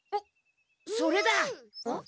それだ！ん？